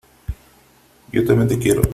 Yo también te quiero .